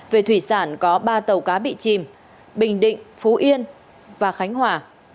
về thủy sản có ba tàu cá bị chìm bình định phú yên và khánh hòa